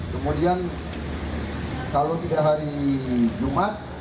kemudian kalau tidak hari jumat